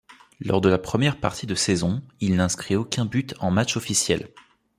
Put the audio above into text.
Lors de la première partie de saison, il n'inscrit aucun but en match officiel.